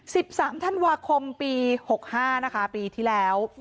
สิบสามธันวาคมปีหกห้านะคะปีที่แล้ว